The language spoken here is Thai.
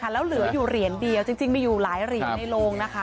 แล้วเหลืออยู่เหรียญเดียวจริงมีอยู่หลายเหรียญในโรงนะคะ